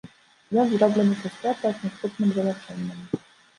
Ён зроблены са срэбра з наступным залачэннем.